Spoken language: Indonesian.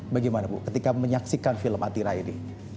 bagaimana bu ketika menyaksikan film atira ini